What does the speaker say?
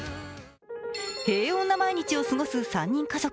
平穏な毎日を過ごす３人家族。